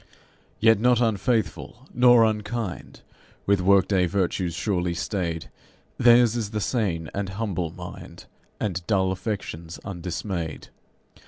Yet not unfaithful nor unkind, with work day virtues surely staid, Theirs is the sane and humble mind, And dull affections undismayed.